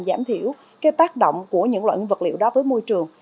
giảm thiểu cái tác động của những loại vật liệu đó với môi trường